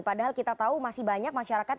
padahal kita tahu masih banyak masyarakat